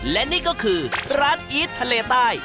และนี่ก็คือร้านอีททะเลใต้